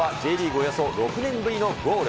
およそ６年ぶりのゴール。